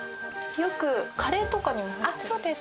よくカレーとかにも入ってるそうです